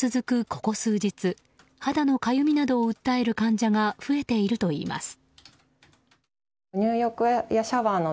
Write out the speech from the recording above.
ここ数日肌のかゆみなどを訴える患者が増えているといいます。